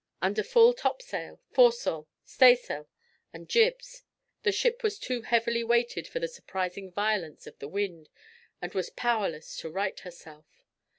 Under full topsail, foresail, staysail, and jibs, the ship was too heavily weighted for the surprising violence of the wind, and was powerless to right herself.